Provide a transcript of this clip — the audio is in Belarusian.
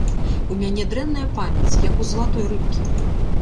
У мяне дрэнная памяць, як у залатой рыбкі.